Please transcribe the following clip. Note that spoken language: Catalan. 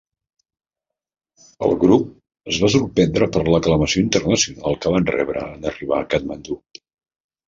El grup es va sorprendre per l'aclamació internacional que van rebre en arribar a Katmandú.